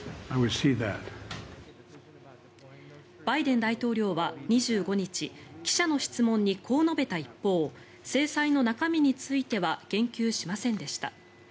バイデン大統領は２５日記者の質問にこう述べた一方制裁の中身については言及しませんでした。